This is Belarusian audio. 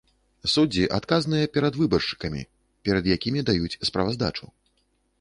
Суддзі адказныя перад выбаршчыкамі, перад якімі даюць справаздачу.